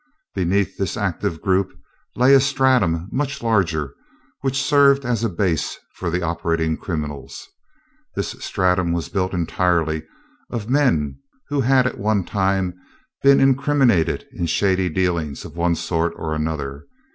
Beneath this active group lay a stratum much larger which served as a base for the operating criminals. This stratum was built entirely of men who had at one time been incriminated in shady dealings of one sort and another.